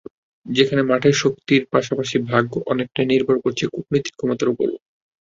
যেখানে মাঠের শক্তির পাশাপাশি ভাগ্য অনেকটাই নির্ভর করছে কূটনৈতিক ক্ষমতার ওপরও।